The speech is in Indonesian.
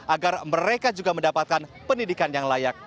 agar mereka juga mendapatkan pendidikan yang layak